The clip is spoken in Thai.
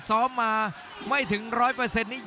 สัมมาไม่ถึงร้อยเปอร์เซ็นต์นี้